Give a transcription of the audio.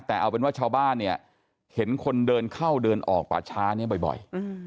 แต่เอาเป็นว่าชาวบ้านเนี่ยเห็นคนเดินเข้าเดินออกป่าช้านี้บ่อย